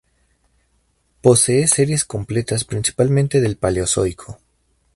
Posee series completas principalmente del Paleozoico.